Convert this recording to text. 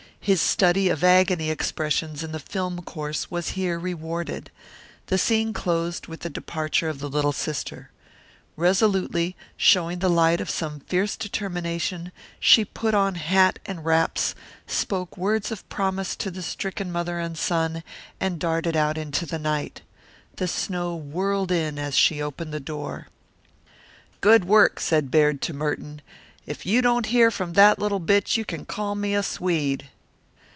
His study of agony expressions in the film course was here rewarded. The scene closed with the departure of the little sister. Resolutely, showing the light of some fierce determination, she put on hat and wraps, spoke words of promise to the stricken mother and son, and darted out into the night. The snow whirled in as she opened the door. "Good work," said Baird to Merton. "If you don't hear from that little bit you can call me a Swede."